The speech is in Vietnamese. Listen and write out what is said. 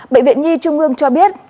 bệnh viện nhi trung ương cho biết